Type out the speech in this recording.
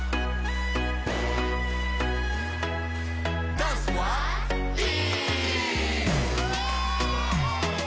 ダンスはＥ！